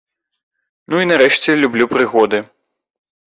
Ну і нарэшце люблю прыгоды.